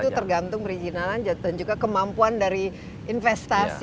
itu tergantung perizinan dan juga kemampuan dari investasi